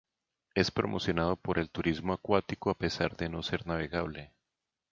Es promocionado por el turismo acuático a pesar de no ser navegable.